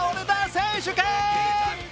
選手権。